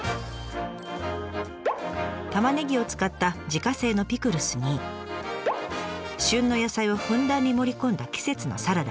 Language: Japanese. たまねぎを使った自家製のピクルスに旬の野菜をふんだんに盛り込んだ季節のサラダ。